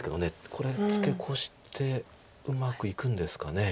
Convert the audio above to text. これツケコしてうまくいくんですかね。